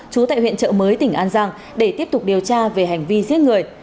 trú tại huyện trợ mới tỉnh an giang để tiếp tục điều tra về hành vi giết người